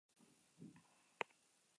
Zenbat euskal hiztun daude munduan?